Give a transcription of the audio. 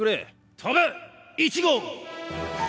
飛べ１号！